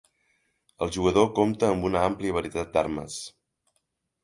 El jugador compta amb una àmplia varietat d'armes.